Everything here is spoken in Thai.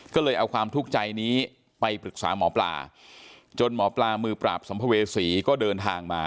ก็เลยเอาความทุกข์ใจนี้ไปปรึกษาหมอปลาจนหมอปลามือปราบสัมภเวษีก็เดินทางมา